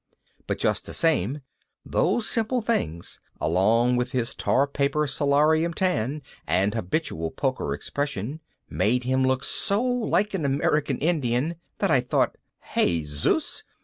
But just the same those simple things, along with his tarpaper solarium tan and habitual poker expression, made him look so like an American Indian that I thought, _Hey Zeus!